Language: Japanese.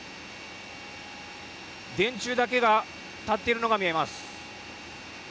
電柱だけが立っているのが見えます。